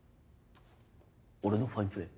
俺のファインプレー？